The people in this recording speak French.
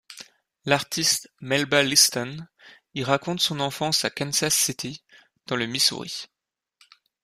L'artiste Melba Liston y raconte son enfance à Kansas City dans le Missouri.